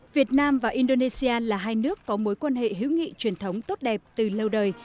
việt nam và indonesia là hai nước có mối quan hệ hữu nghị truyền thống tốt đẹp từ lâu đời